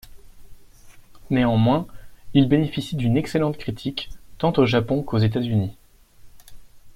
Néanmoins, ils bénéficient d'une excellente critique, tant au Japon qu'aux États-Unis.